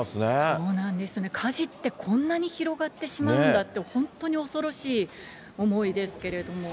そうなんですね、火事ってこんなに広がってしまうんだって、本当に恐ろしい思いですけれども。